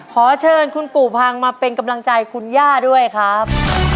ขอเชิญคุณปู่พังมาเป็นกำลังใจคุณย่าด้วยครับ